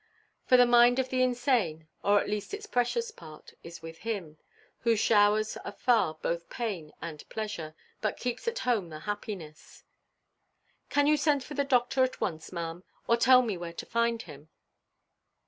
For the mind of the insane, or at least its precious part, is with Him, who showers afar both pain and pleasure, but keeps at home the happiness. "Can you send for the doctor at once, maʼam, or tell me where to find him?"